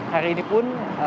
hari ini pun